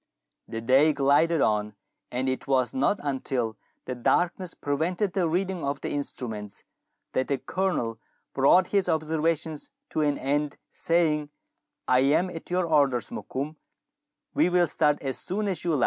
The day glided on, and it was not until the darkness prevented the reading of the instruments, that the Colonel brought his observations to an end, saying, —" I am at your orders, Mokoum ; we will start as soon as you like.